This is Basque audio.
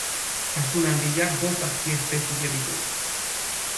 Asun handiak bost azpiespezie ditu.